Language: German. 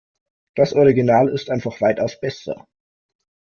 Das Original ist einfach weitaus besser.